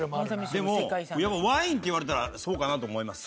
でもワインって言われたらそうかなと思います